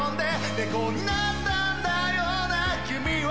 猫になったんだよな君は